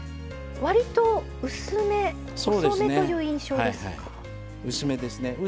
割と薄め、細めという印象ですね。